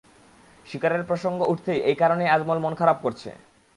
শিকারের প্রসঙ্গ উঠতেই এই কারণেই আজমল মন খারাপ করেছে।